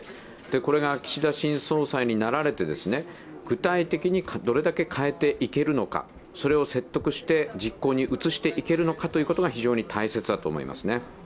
これが岸田新総裁になられて具体的にどう変えていけるのかそれを説得して実行に移していけるのかということが非常に大切だと思いますね。